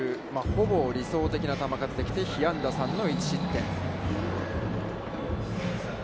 ほぼ理想的な球数できて、被安打３の１失点。